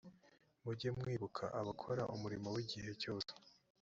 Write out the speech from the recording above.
mujye mwibuka abakora umurimo w’igihe cyose